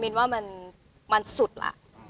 นว่ามันสุดล่ะ